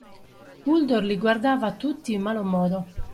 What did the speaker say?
Uldor li guardava tutti in malo modo.